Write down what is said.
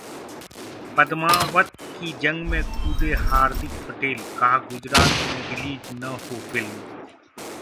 पद्मावत की जंग में कूदे हार्दिक पटेल, कहा- गुजरात में रिलीज न हो फिल्म